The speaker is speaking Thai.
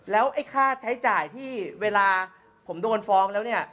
แล้วค่าใช้จ่ายที่เวลาผมโดนฟ้องแล้ว